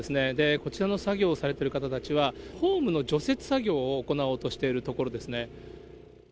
こちらの作業をされている方は、ホームの除雪作業を行おうとしているところですね。